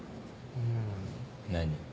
うん。何？